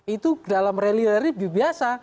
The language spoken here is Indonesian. itu dalam reliability biasa